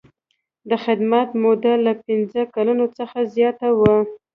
د خدمت موده له پنځه کلونو څخه زیاته وي.